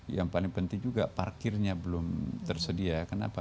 yang paling penting juga parkirnya belum tersedia kenapa